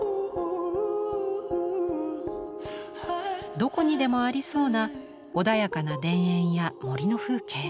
どこにでもありそうな穏やかな田園や森の風景。